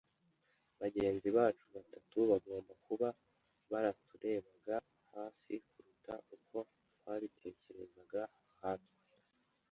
Bagenzi bacu batatu bagomba kuba baraturebaga hafi kuruta uko twabitekerezaga, nkatwe